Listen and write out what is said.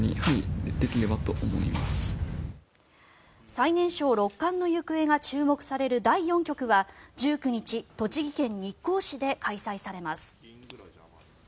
最年少六冠の行方が注目される第４局は１９日栃木県日光市で開催されます。